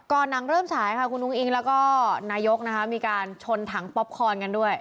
หนังเริ่มฉายค่ะคุณอุ้งอิงแล้วก็นายกนะคะมีการชนถังป๊อปคอนกันด้วย